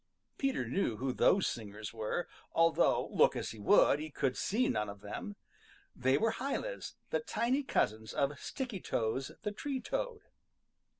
Peter knew who those singers were, although look as he would he could see none of them. They were hylas, the tiny cousins of Stickytoes the Tree Toad.